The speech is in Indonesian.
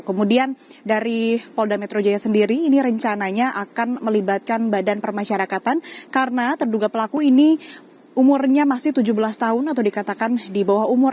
kemudian dari polda metro jaya sendiri ini rencananya akan melibatkan badan permasyarakatan karena terduga pelaku ini umurnya masih tujuh belas tahun atau dikatakan di bawah umur